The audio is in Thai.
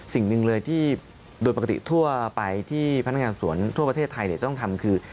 สิ่งหนึ่งเลยที่โดยปกติทั่วไปที่พนักงานสวนทั่วประเทศไทยจะต้องทำคือ